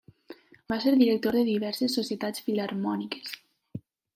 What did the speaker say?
Va ser director de diverses Societats Filharmòniques.